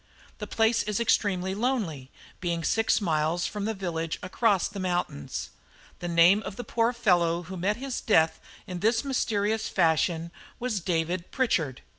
The place is extremely lonely, being six miles from the village across the mountains. The name of the poor fellow who met his death in this mysterious fashion was David Pritchard.